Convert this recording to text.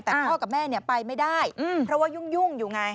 แต่พ่อกับแม่ไปไม่ได้เพราะว่ายุ่งอยู่ไง